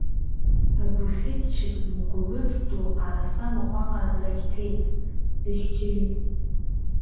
Абуфеҭчик мгәылыҿ ду арасамахә аҟара длақьҭеит, дышьқьырит.